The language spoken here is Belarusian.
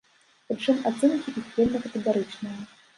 Прычым ацэнкі іх вельмі катэгарычныя.